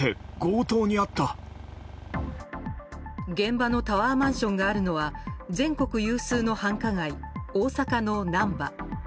現場のタワーマンションがあるのは全国有数の繁華街、大阪の難波。